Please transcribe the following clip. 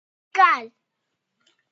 Cal.